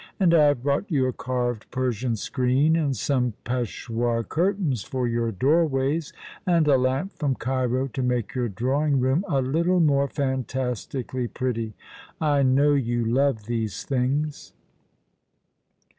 And I have brought you a carved Persian screen, and some Peshawur curtains for your door ways, and a lamp from Cairo, to make your drawing room a little more fantastically pretty. I know you love these things."